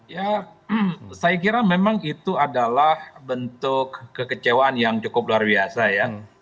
ya saya kira memang itu adalah bentuk kekecewaan yang cukup luar biasa ya